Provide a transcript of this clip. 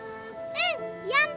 うん。